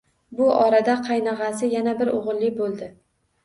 Bu orada qaynog`asi yana bir o`g`illi bo`ldi